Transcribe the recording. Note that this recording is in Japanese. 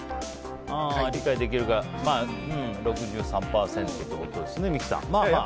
理解できるが６３％ってことですね